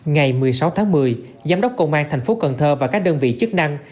ngày một mươi sáu tháng một mươi giám đốc công an thành phố cần thơ và các đơn vị chức năng